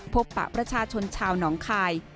ปะประชาชนชาวหนองคาย